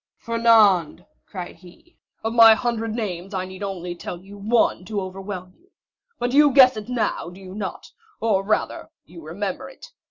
"Fernand," cried he, "of my hundred names I need only tell you one, to overwhelm you! But you guess it now, do you not?—or, rather, you remember it?